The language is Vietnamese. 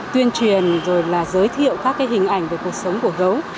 tuyên truyền rồi là giới thiệu các cái hình ảnh về cuộc sống của gấu